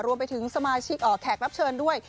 รวมไปถึงสมาชิกแขกรับเชิญด้วย